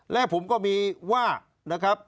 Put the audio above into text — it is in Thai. และผมก็มีว่านะครับ